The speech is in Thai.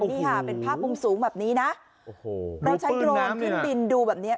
นี่ค่ะเป็นภาพวงสูงแบบนี้นะโอ้โหดูปืนน้ำนี่น่ะเราใช้โดรนขึ้นดินดูแบบนี้